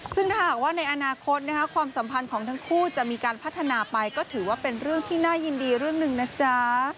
ซึ่งถ้าหากว่าในอนาคตความสัมพันธ์ของทั้งคู่จะมีการพัฒนาไปก็ถือว่าเป็นเรื่องที่น่ายินดีเรื่องหนึ่งนะจ๊ะ